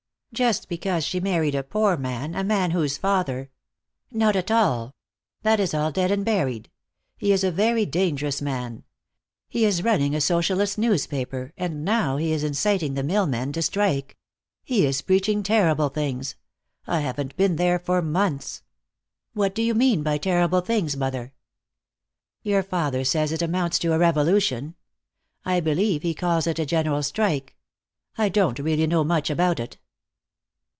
"Just because she married a poor man, a man whose father " "Not at all. That is all dead and buried. He is a very dangerous man. He is running a Socialist newspaper, and now he is inciting the mill men to strike. He is preaching terrible things. I haven't been there for months." "What do you mean by terrible things, mother?" "Your father says it amounts to a revolution. I believe he calls it a general strike. I don't really know much about it."